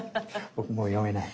僕も読めない。